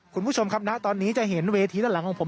คุณผู้ชมครับณตอนนี้จะเห็นเวทีด้านหลังของผม